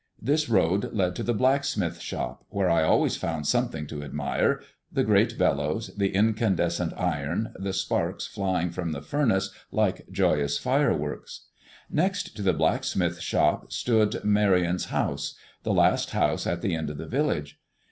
This road led to the blacksmith's shop, where I always found something to admire, the great bellows, the incandescent iron, the sparks flying from the furnace like joyous fireworks. Next to the blacksmith's shop stood Marion's house, the last house at the end of the village.